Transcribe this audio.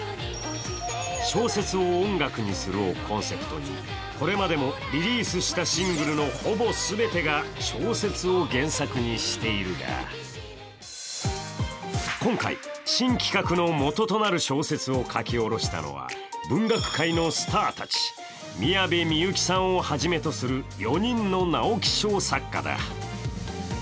「小説を音楽にする」をコンセプトにこれまでもリリースしたシングルのほぼ全てが小説を原作にしているが、今回、新企画のもととなる小説を書き下ろしたのは、文学界のスターたち、宮部みゆきさんをはじめとする４人の直木賞作家だ。